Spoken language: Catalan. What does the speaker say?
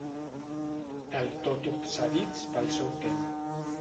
Del tot obsedits pel seu tema.